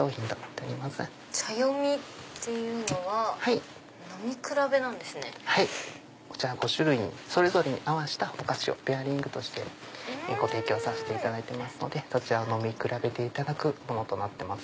お茶５種類それぞれに合わせたお菓子をペアリングとして提供させていただいてますので飲み比べていただくものとなってます。